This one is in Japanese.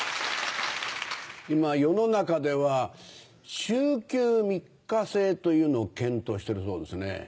今世の中では週休３日制というのを検討してるそうですね。